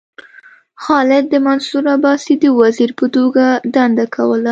خالد د منصور عباسي د وزیر په توګه دنده کوله.